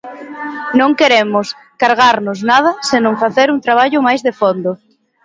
Non queremos cargarnos nada senón facer un traballo máis de fondo.